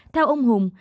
theo ông hùng